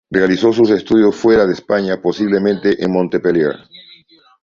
Realizó sus estudios fuera de España, posiblemente en Montpellier.